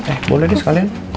eh boleh deh sekalian